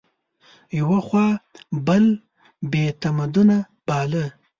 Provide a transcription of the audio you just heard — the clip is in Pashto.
یوه خوا بل بې تمدنه باله